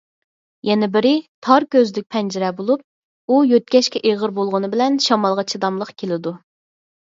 يەنە بىرى، تار كۆزلۈك پەنجىرە بولۇپ، ئۇ يۆتكەشكە ئېغىر بولغىنى بىلەن شامالغا چىداملىق كېلىدۇ.